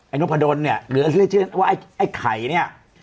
ไอ้น้องพะดนเนี่ยหรืออะไรชื่อว่าไอ้ไข่เนี่ย